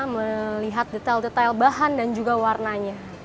melihat detail detail bahan dan juga warnanya